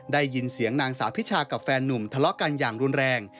ได้ยินเสียงนางสาวพิชากับแฟนนุ่มทะเลาะกันอย่างรุนแรง